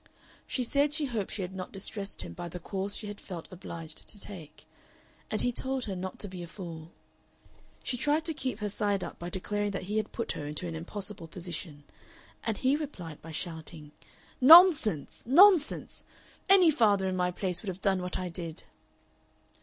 She said she hoped she had not distressed him by the course she had felt obliged to take, and he told her not to be a fool. She tried to keep her side up by declaring that he had put her into an impossible position, and he replied by shouting, "Nonsense! Nonsense! Any father in my place would have done what I did."